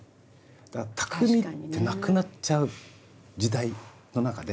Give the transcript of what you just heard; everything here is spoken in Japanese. だから匠ってなくなっちゃう時代の中で。